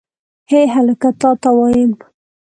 هې هلکه تا ته وایم.